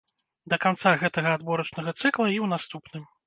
Да канца гэтага адборачнага цыкла і ў наступным.